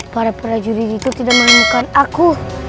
para prajurit itu tidak menemukan aku